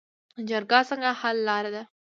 جرګه څنګه حل لاره ده؟